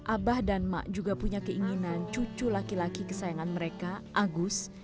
abah dan mak juga punya keinginan cucu laki laki kesayangan mereka agus